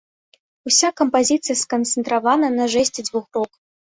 Уся кампазіцыя сканцэнтравана на жэсце дзвюх рук.